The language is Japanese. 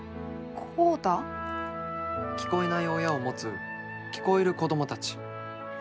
聞こえない親を持つ聞こえる子供たち。